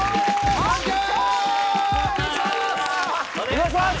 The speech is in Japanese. お願いします